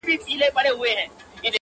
نه ،نه محبوبي زما،